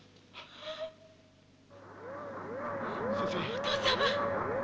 お父様。